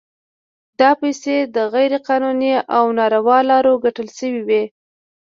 دا پیسې د غیر قانوني او ناروا لارو ګټل شوي وي.